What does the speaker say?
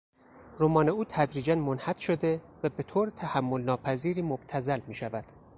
رمان اوتدریجا منحط شده و به طور تحملناپذیری مبتذل میشود.